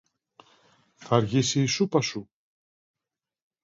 Θ' αργήσει η σούπα σου;